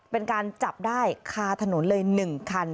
เป็นการจับได้คาถนนเลย๑คัน